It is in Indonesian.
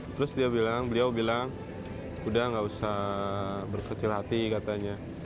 terus dia bilang beliau bilang udah gak usah berkecil hati katanya